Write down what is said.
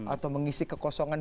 atau mengisi kekosongan